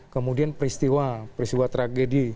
kemudian peristiwa peristiwa tragedi